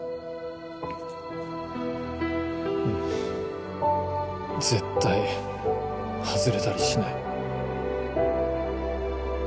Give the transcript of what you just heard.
うん絶対外れたりしない。